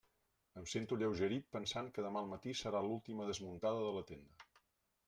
Em sento alleugerit pensant que demà al matí serà l'última desmuntada de la tenda.